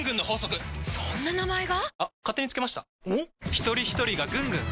ひとりひとりがぐんぐん！